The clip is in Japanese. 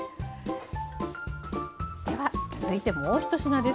では続いてもう１品です。